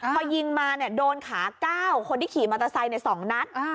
พอยิงมาโดนขา๙คนที่ขี่มอเตอร์ไซค์๒นัด